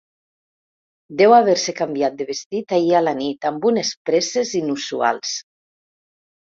Deu haver-se canviat de vestit ahir a la nit amb unes presses inusuals.